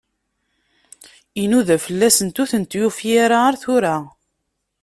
Inuda fell-asent, ur tent-yufi ara ar tura.